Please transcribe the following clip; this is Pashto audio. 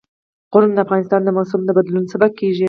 غرونه د افغانستان د موسم د بدلون سبب کېږي.